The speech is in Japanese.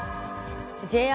ＪＲ